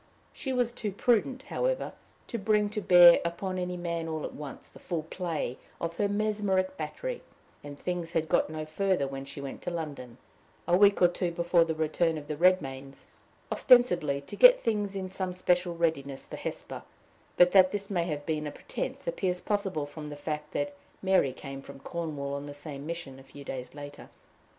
She was too prudent, however, to bring to bear upon any man all at once the full play of her mesmeric battery; and things had got no further when she went to London a week or two before the return of the Redmains, ostensibly to get things in some special readiness for Hesper; but that this may have been a pretense appears possible from the fact that Mary came from Cornwall on the same mission a few days later.